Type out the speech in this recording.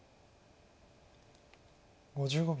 ５５秒。